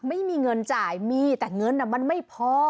ไม่มีเงินจ่ายมีแต่เงินมันไม่พอ